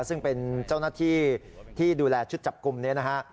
ซึ่งเป็นเจ้าหน้าที่ที่ดูแลชุดจับกลุ่มนี้นะฮะ